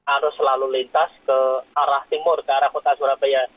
arus lalu lintas ke arah timur ke arah kota surabaya